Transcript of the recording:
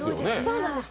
そうなんです。